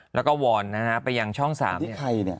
แล้วก็วอนนะฮะไปยังช่อง๓ที่ไทยเนี่ย